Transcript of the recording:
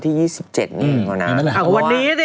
ไม่ที่เที่ยวอ่ะไปถ่ายแบบด้วย